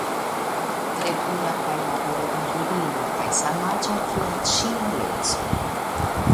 Tre pura kaj laborema virino kaj samaĝa kiel ŝia edzo.